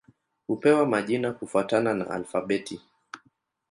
Hupewa majina kufuatana na alfabeti.